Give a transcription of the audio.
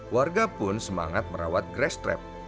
warga pun semangat merawat grace trap